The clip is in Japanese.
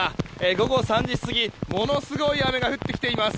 午後３時過ぎ、ものすごい雨が降ってきています。